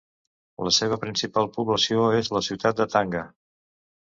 La seva principal població és la ciutat de Tanga.